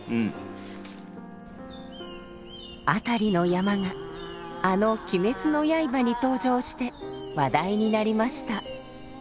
辺りの山があの「鬼滅の刃」に登場して話題になりました。